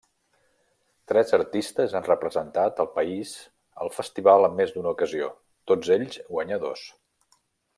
Tres artistes han representat el país al festival en més d'una ocasió, tots ells guanyadors.